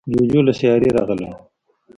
جوجو له سیارې راغلی و.